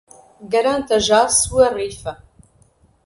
Garanta já sua rifa